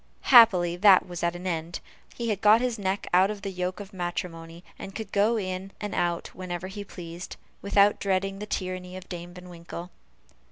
Happily, that was at an end; he had got his neck out of the yoke of matrimony, and could go in and out whenever he pleased, without dreading the tyranny of Dame Van Winkle.